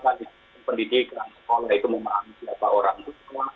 karena misalkan pendidikan sekolah itu memahami siapa orang tua